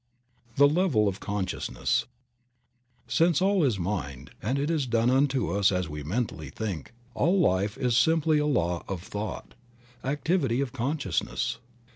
THE LEVEL OF CONSCIOUSNESS. QINCE all is mind, and it is done unto us as we mentally think, all life is simply a law of thought — activity of consciousness.